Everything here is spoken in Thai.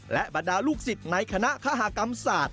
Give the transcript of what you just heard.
และบรรดาลูกศิษย์ในคณะคหากรรมศาสตร์